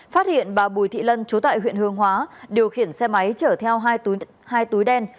phát hiện bà bùi thị lân chú tại huyện hương hóa điều khiển xe máy chở theo hai túi đen